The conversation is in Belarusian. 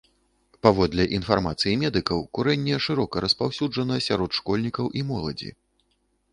Паводле інфармацыі медыкаў, курэнне шырока распаўсюджана сярод школьнікаў і моладзі.